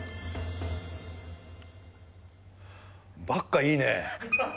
ばっかいいね。